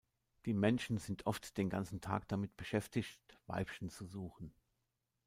Die Männchen sind oft den ganzen Tag damit beschäftigt Weibchen zu suchen.